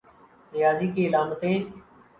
ریاضی کی علامتیں